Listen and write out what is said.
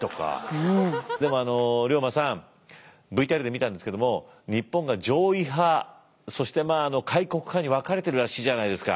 でもあの龍馬さんＶＴＲで見たんですけども日本が攘夷派そして開国派に分かれてるらしいじゃないですか？